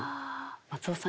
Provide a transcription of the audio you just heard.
松尾さん